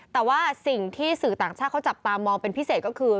แต่ว่าสิ่งที่สื่อต่างชาติเขาจับตามองเป็นพิเศษก็คือ